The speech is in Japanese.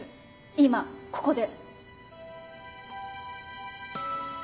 今ここで。